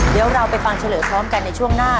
เดี๋ยวเราไปฟังเฉลยพร้อมกันในช่วงหน้า